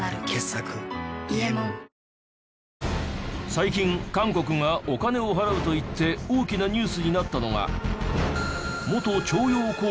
最近韓国がお金を払うと言って大きなニュースになったのが。